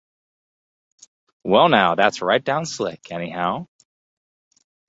Well, now, that's right down slick, anyhow.